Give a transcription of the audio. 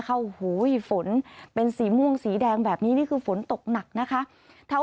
โอ้โหฝนเป็นสีม่วงสีแดงแบบนี้นี่คือฝนตกหนักนะคะ